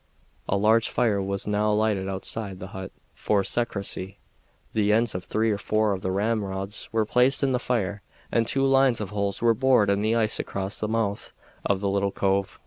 A large fire was now lighted outside the hut, for there was no longer any occasion for secrecy. The ends of three or four of the ramrods were placed in the fire, and two lines of holes were bored in the ice across the mouth of the little cove.